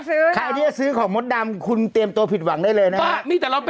ใครที่จะซื้อของมดดำคุณเตรียมตัวผิดหวังได้เลยนะครับ